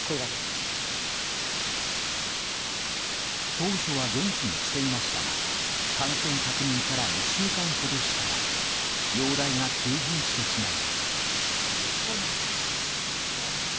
当初は元気にしていましたが感染確認から１週間ほどしたら容体が急変してしまいます。